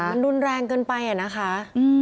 มันรุนแรงเกินไปอะนะคะ